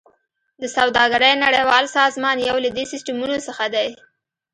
د سوداګرۍ نړیوال سازمان یو له دې سیستمونو څخه دی